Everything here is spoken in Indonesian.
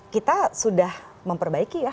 kita sudah memperbaiki ya